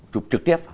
chụp trực tiếp vào